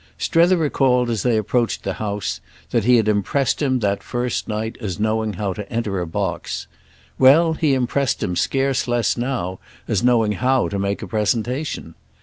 Strether recalled as they approached the house that he had impressed him that first night as knowing how to enter a box. Well, he impressed him scarce less now as knowing how to make a presentation.